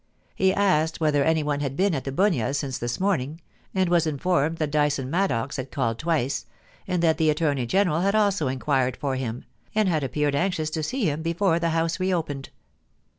He asked whether anyone had been at The Bunyas since the morning, and was informed that Dyson Maddox had called twice, and that the Attorney General had also inquired for him, and had appeared anxious to see him before the House reopened.